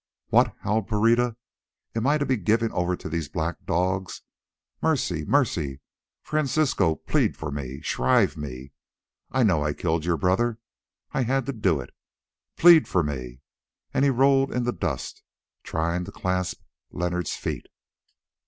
"What!" howled Pereira, "am I to be given over to these black dogs? Mercy! Mercy! Francisco, plead for me. Shrive me. I know I killed your brother, I had to do it. Plead for me!" and he rolled in the dust, trying to clasp Leonard's feet.